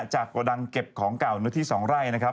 จากกระดังเก็บของเก่ารถที่สองไร่นะครับ